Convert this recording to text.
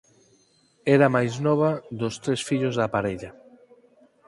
Era a máis nova dos tres fillos da parella.